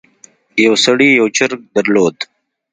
یو سړي یو چرګ درلود.